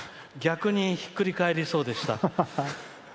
逆にひっくり返りそうでした。